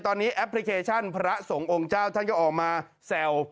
ตอนนี้แอปพลิเคชันพระสงฆ์องค์เจ้าท่านก็ออกมาแซว